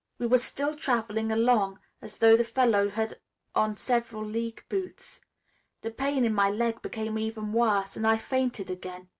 We were still traveling along as though the fellow had on seven league boots. The pain in my leg became even worse and I fainted again.